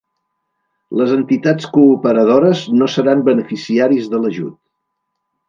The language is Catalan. Les Entitats cooperadores no seran beneficiaris de l'ajut.